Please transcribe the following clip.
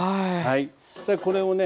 これをね